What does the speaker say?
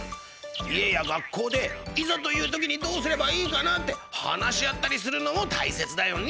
家や学校でいざという時にどうすればいいかなんて話し合ったりするのもたいせつだよね。